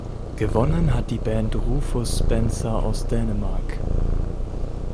Gewonnen hat die Band Rufus Spencer aus Dänemark.